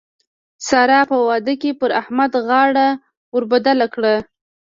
سار په واده کې پر احمد غاړه ور بدله کړه.